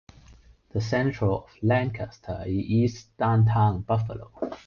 The center of Lancaster is east of downtown Buffalo.